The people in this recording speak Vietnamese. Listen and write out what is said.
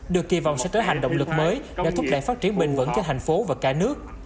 được kỳ vọng sẽ trở thành động lực mới để thúc đẩy phát triển bình vẩn cho thành phố và cả nước